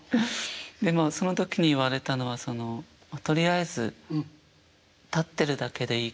でまあその時に言われたのは「とりあえず立ってるだけでいいから」と言われまして。